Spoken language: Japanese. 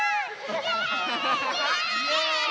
イエーイ！